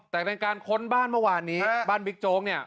แต่เป็นการค้นบ้านเมื่อวานนี้บ้านบิ๊กโจ๊กเนี่ย